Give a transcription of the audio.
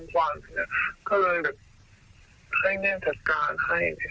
เขาเลยแบบให้เนี่ยจัดการให้